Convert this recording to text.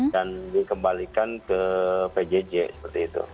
dan dikembalikan ke pjj seperti itu